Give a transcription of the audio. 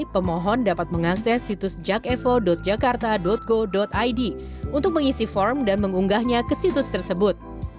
pemohon dapat mengakses situs jakevo jakarta go id untuk mengisi form dan mengunggahnya ke situs tersebut